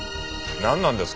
なんなんですか？